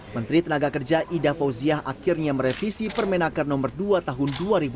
menteri tenaga kerja ida fauziah akhirnya merevisi permenaker no dua tahun dua ribu dua puluh